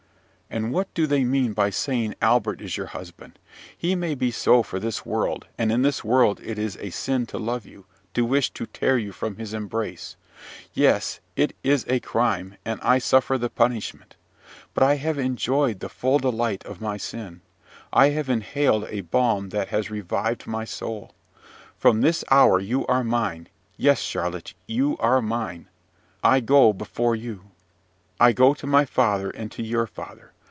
"And what do they mean by saying Albert is your husband? He may be so for this world; and in this world it is a sin to love you, to wish to tear you from his embrace. Yes, it is a crime; and I suffer the punishment, but I have enjoyed the full delight of my sin. I have inhaled a balm that has revived my soul. From this hour you are mine; yes, Charlotte, you are mine! I go before you. I go to my Father and to your Father.